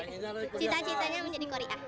cita citanya mau jadi korea